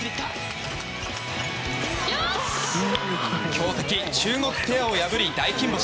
強敵・中国ペアを破り大金星。